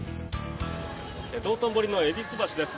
道頓堀の戎橋です。